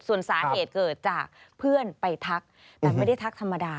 ส่วนสาเหตุเกิดจากเพื่อนไปทักแต่ไม่ได้ทักธรรมดา